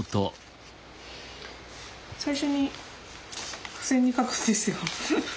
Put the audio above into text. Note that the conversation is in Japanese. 最初に付箋に書くんですよ。